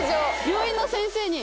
病院の先生に。